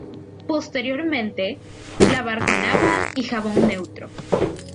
Posteriormente, lavar con agua y jabón neutro.